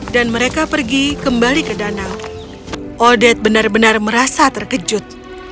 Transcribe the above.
dan mereka pergi kembali ke danau odette benar benar merasa terkejut